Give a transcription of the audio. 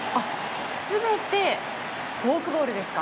全てフォークボールですか。